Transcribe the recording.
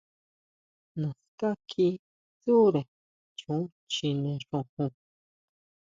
Naská kjí tsʼure choon chjine xojon.